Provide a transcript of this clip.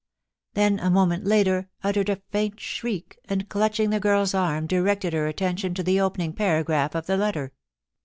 * then a moment later uttered a faint shriek, and, clutching the girPs arm, directed her attention to the opening paragragh of the letter.